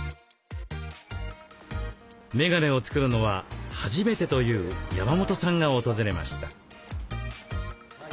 メガネを作るのは初めてという山本さんが訪れました。